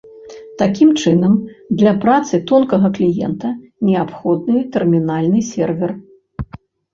Такім чынам, для працы тонкага кліента неабходны тэрмінальны сервер.